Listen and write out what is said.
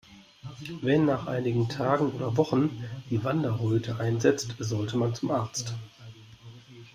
Wenn nach einigen Tagen oder Wochen die Wanderröte einsetzt, sollte man zum Arzt.